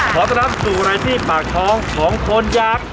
ขอสนับสู่รายที่ปากท้องของคนยักษ์รวย